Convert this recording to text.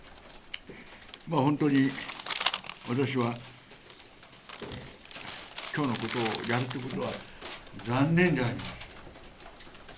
本当に私は今日のことをやるということは残念であります。